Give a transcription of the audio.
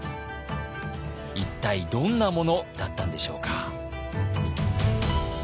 一体どんなものだったんでしょうか。